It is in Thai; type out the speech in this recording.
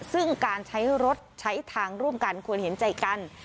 ซึ่งการใช้รถใช้ทางร่วมกันควรเห็นใจกัน